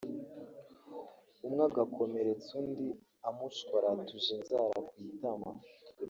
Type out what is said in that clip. umwe agakomeretsa undi amushwaratuje inzara ku itama